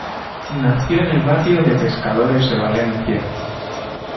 Nació en el barrio de pescadores de Valencia.